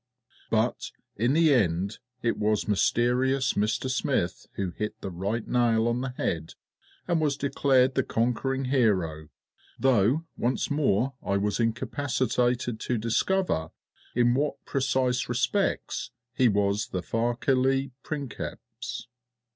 But, in the end, it was Mysterious Mister SMITH who hit the right nail on the head, and was declared the conquering hero, though once more I was incapacitated to discover in what precise respects he was the facile princeps.